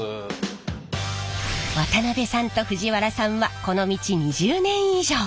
渡辺さんと藤原さんはこの道２０年以上！